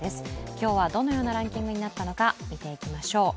今日はどのようなランキングになったのか見ていきましょう。